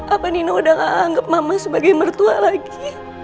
apa nino udah anggap mama sebagai mertua lagi